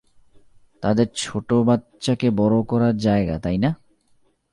তাদের ছোট বাচ্চাকে বড় করার জায়গা, তাইনা?